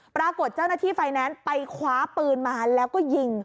ปรากฏเจ้าหน้าที่ไฟแนนซ์ไปคว้าปืนมาแล้วก็ยิง